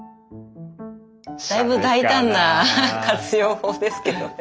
だいぶ大胆な活用法ですけどね。